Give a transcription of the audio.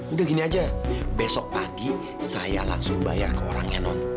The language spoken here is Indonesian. udah gini aja besok pagi saya langsung bayar ke orang enom